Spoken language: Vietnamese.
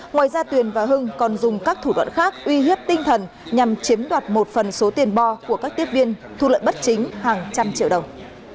ngoài ra tuyền và hưng còn dùng các thủ đoạn khác uy hiếp tinh thần nhằm chiếm đoạt một phần số tiền bo của các tiếp viên thu lợi bất chính hàng trăm triệu đồng